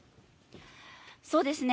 そうですね。